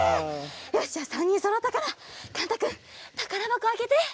よしじゃあ３にんそろったからかんたくんたからばこあけて。